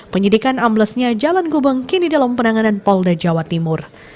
penyidikan amblesnya jalan gubeng kini dalam penanganan polda jawa timur